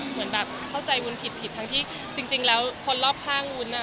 เหมือนแบบเข้าใจวุ้นผิดผิดทั้งที่จริงแล้วคนรอบข้างวุ้น